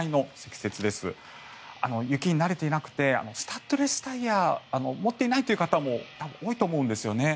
雪に慣れていなくてスタッドレスタイヤを持っていないという方も多いと思うんですよね。